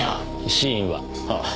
死因は？ああ。